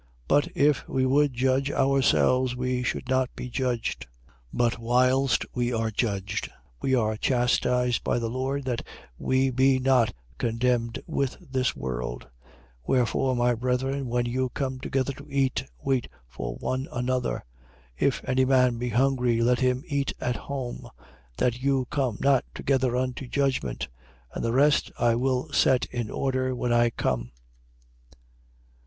11:31. But if we would judge ourselves, we should not be judged. 11:32. But whilst we are judged, we are chastised by the Lord, that we be not condemned with this world. 11:33. Wherefore, my brethren, when you come together to eat, wait for one another. 11:34. If any man be hungry, let him eat at home; that you come not together unto judgment. And the rest I will set in order, when I come.